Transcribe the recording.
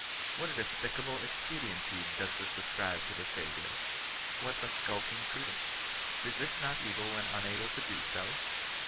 What a despicable expediency does this ascribe to the Saviour ! What a skulking pru dence I Besist not evil when unable to do so